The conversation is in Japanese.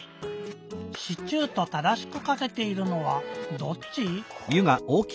「シチュー」と正しくかけているのはどっち？